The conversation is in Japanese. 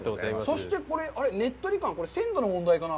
そして、これ、ねっとり感、鮮度の問題かな？